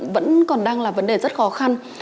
vẫn còn đang là vấn đề rất khó khăn